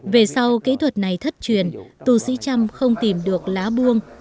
về sau kỹ thuật này thất truyền tù sĩ trâm không tìm được lá buông